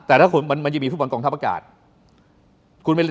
แต่มันจะมีผู้บอลกองทัพอากาศ